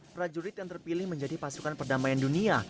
prajurit yang terpilih menjadi pasukan perdamaian dunia